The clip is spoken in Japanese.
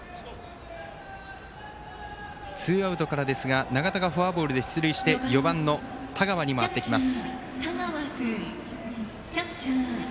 ツーアウトからですが永田がフォアボールで出塁して４番の田川に回ってきます。